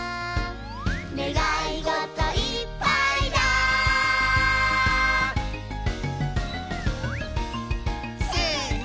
「ねがいごといっぱいだ」せの！